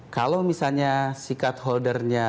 kalau misalnya si card holdernya